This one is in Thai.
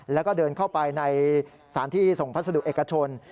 แล้วก็เดินเข้าไปในสถานที่ส่งพัสดุเอกชน